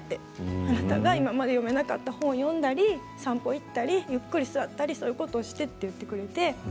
あなたが今まで読めなかった本を読んだり、散歩をしたりそういうことをしてって言ってくれて。